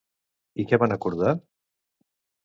I què van acordar?